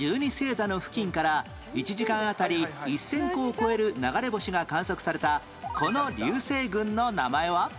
星座の付近から１時間あたり１０００個を超える流れ星が観測されたこの流星群の名前は？